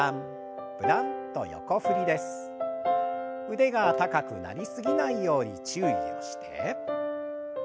腕が高くなりすぎないように注意をして。